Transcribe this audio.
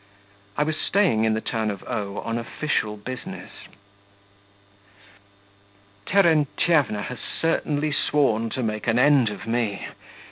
I was staying in the town of O on official business. Terentyevna has certainly sworn to make an end of me.